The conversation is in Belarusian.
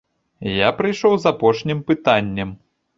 Я прыйшоў з апошнім пытаннем.